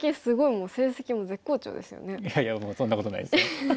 いやいやもうそんなことないですよ。